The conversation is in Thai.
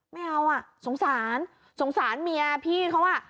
ไม่เอาสงสารสงสารเมียพี่เขา